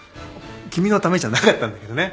君のためじゃなかったんだけどね。